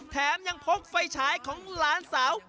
แถมยังพกไฟฉายของหลานสาว